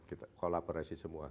kita kolaborasi semua